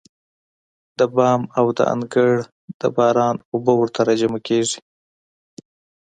د بام او د انګړ د باران اوبه ورته راجمع کېږي.